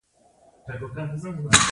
نوی کال د بزګر په میله لمانځل کیږي.